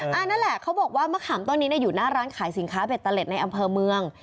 นั่นแหละเขาบอกว่ามะขามต้นนี้อยู่หน้าร้านขายสินค้าเบตเตอร์เล็ดในอำเภอเมือง